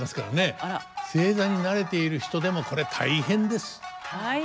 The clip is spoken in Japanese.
正座に慣れている人でもこれ大変です。